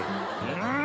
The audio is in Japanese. うん！